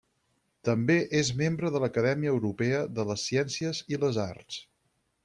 També és membre de l'Acadèmia Europea de les Ciències i les Arts.